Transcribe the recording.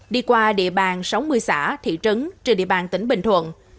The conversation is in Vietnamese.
đi qua địa bàn sáu mươi xã thị trấn trừ địa bàn tỉnh bình thuận